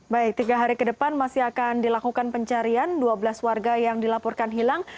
baik tiga hari ke depan masih akan dilakukan pencarian dua belas warga yang dilaporkan hilang